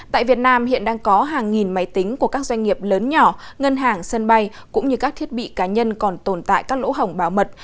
tại việt nam hiện đang có hàng nghìn máy tính của các doanh nghiệp lớn nhỏ ngân hàng sân bay cũng như các thiết bị cá nhân còn tồn tại các lỗ hỏng bảo mật